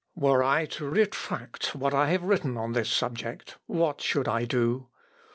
"Were I to retract what I have written on this subject what should I do?...